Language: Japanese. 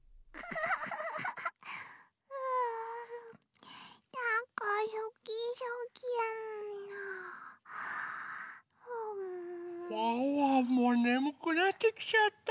ワンワンもねむくなってきちゃった。